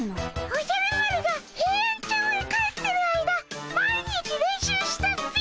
おじゃる丸がヘイアンチョウへ帰ってる間毎日練習したっピ。